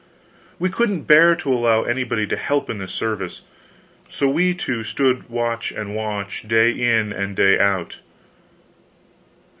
We couldn't bear to allow anybody to help in this service, so we two stood watch and watch, day in and day out.